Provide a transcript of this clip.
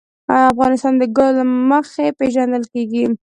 افغانستان د ګاز له مخې پېژندل کېږي.